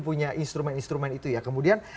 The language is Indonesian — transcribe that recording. punya instrumen instrumen itu ya kemudian